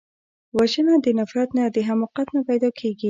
وژنه د نفرت نه، د حماقت نه پیدا کېږي